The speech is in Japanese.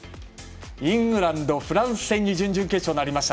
イングランド、フランス戦準々決勝なりました。